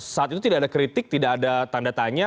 saat itu tidak ada kritik tidak ada tanda tanya